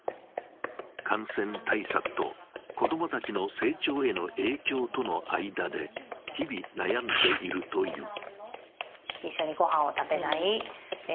感染対策と子供たちの成長への影響との間で、日々、悩んでいるという。